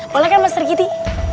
boleh kan pak sergiti